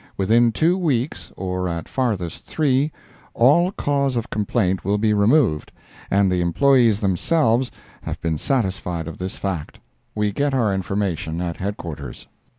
Within two weeks, or at farthest three, all cause of complaint will be removed, and the employees themselves have been satisfied of this fact. We get our information at headquarters.